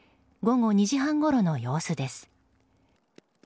午後２時半ごろの様子です。